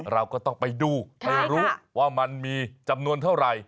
เราก็ต้องไปดูไปรู้ว่ามันมีจำนวนเท่าไหร่